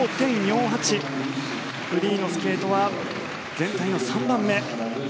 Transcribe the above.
フリーのスケートは全体の３番目。